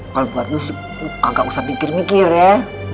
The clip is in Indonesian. kalau buat lu sih gak usah mikir mikir ya